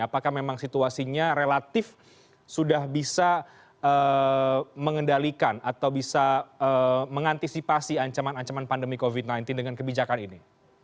apakah memang situasinya relatif sudah bisa mengendalikan atau bisa mengantisipasi ancaman ancaman pandemi covid sembilan belas dengan kebijakan ini